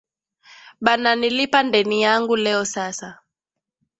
Bana nilipa ndeni yangu leo sasa